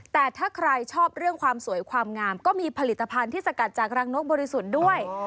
แต่ถ้าใครชอบเรื่องความสวยความงามก็มีผลิตภัณฑ์ที่สกัดจากรังนกบริสุทธิ์ด้วย